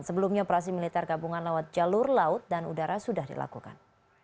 sebelumnya operasi militer gabungan lewat jalur laut dan udara sudah dilakukan